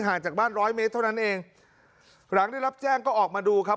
จากบ้านร้อยเมตรเท่านั้นเองหลังได้รับแจ้งก็ออกมาดูครับ